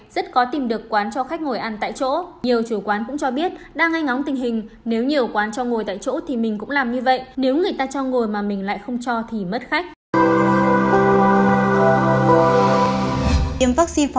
rất có tìm được quán cho khách ngồi ăn tại chỗ